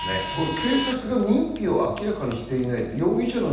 警察が認否を明らかにしていない。